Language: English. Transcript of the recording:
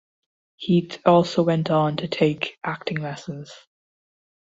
Heath also went on to take acting lessons.